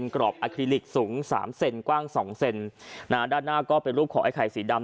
กรอบอาคลิลิกสูงสามเซนกว้างสองเซนด้านหน้าก็เป็นรูปของไอ้ไข่สีดำ